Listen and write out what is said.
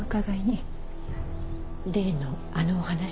例のあのお話？